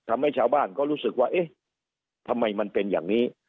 ทำให้ชาวบ้านก็รู้สึกว่าเอ๊ะทำไมมันเป็นอย่างนี้